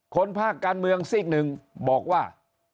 ภาคการเมืองซีกหนึ่งบอกว่า